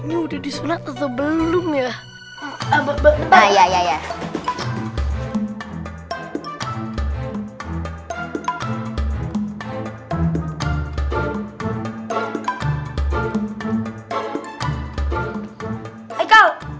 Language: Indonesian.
ini udah disunat atau belum ya yaya